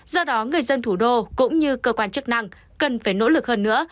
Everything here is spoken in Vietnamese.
do đó người dân thủ đô cũng như cơ quan chức năng cần phải nỗ lực hơn nữa